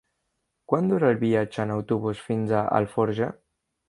Quant dura el viatge en autobús fins a Alforja?